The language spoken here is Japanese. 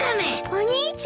お兄ちゃん。